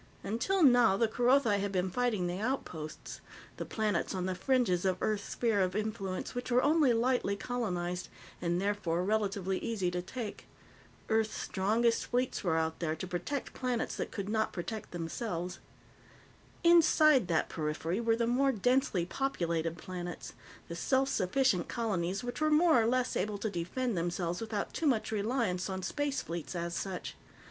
Until now, the Kerothi had been fighting the outposts, the planets on the fringes of Earth's sphere of influence which were only lightly colonized, and therefore relatively easy to take. Earth's strongest fleets were out there, to protect planets that could not protect themselves. Inside that periphery were the more densely populated planets, the self sufficient colonies which were more or less able to defend themselves without too much reliance on space fleets as such.